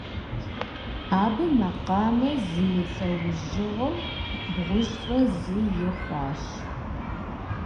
Абы макъамэ зэмылӀэужьыгъуэу бгъущӏрэ зы ихуащ.